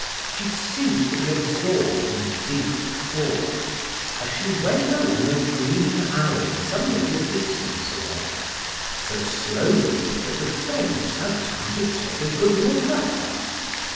She seemed to be absorbed in deep thought, as she went along a green alley some little distance away, so slowly that the friends had time to take a good look at her.